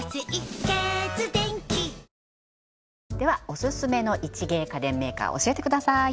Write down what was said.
オススメの一芸家電メーカー教えてください